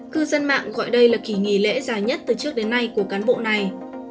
cư dân mạng gọi đây là kỳ nghỉ lễ dài nhất từ trước đến nay của cán bộ này